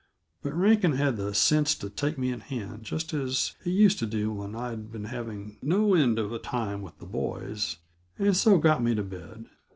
But Rankin had the sense to take me in hand just as he used to do when I'd been having no end of a time with the boys, and so got me to bed.